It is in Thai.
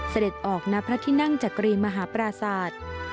เสด็จออกณพระที่นั่งจักรีมหาปราศาสตร์